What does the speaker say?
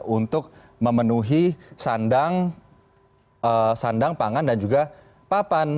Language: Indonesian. untuk memenuhi sandang pangan dan juga papan